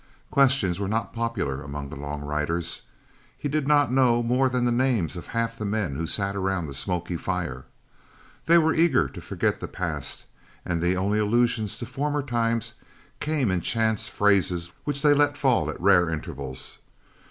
Questions were not popular among the long riders. He did not know more than the names of half the men who sat around the smoky fire. They were eager to forget the past, and the only allusions to former times came in chance phrases which they let fall at rare intervals.